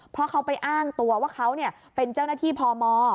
เพราะเขาไปอ้างตัวว่าเขาเป็นเจ้าหน้าที่พม